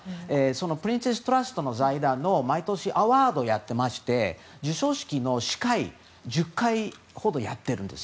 プリンセストラストの財団の毎年アワードやっていまして授賞式の司会を１０回ほどやってるんです。